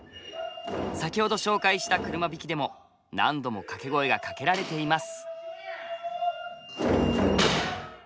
先ほど紹介した「車引」でも何度も掛け声がかけられています。